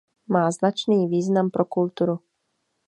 Má značný význam pro kulturu.